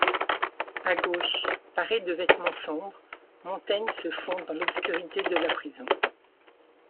À gauche, paré de vêtements sombres, Montaigne se fond dans l’obscurité de la prison.